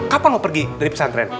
kapan mau pergi dari pesantren